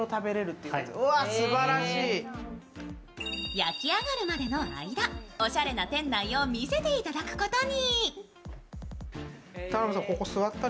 焼き上がるまでの間、おしゃれな店内を見せていただくことに。